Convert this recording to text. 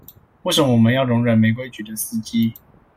為什麼我們要容忍沒規矩的司機